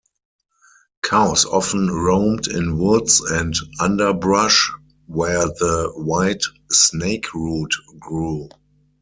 Cows often roamed in woods and underbrush, where the white snakeroot grew.